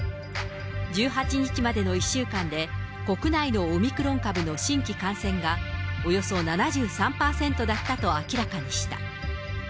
１８日までの１週間で、国内のオミクロン株の新規感染がおよそ７３％だったと明らかにした。